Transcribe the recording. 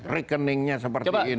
rekeningnya seperti ini